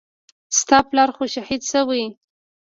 ستا پلار خو شهيد سوى.